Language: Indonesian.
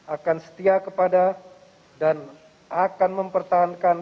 akan setia kepada dan akan mempertahankan